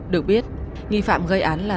được biết nghi phạm gây án là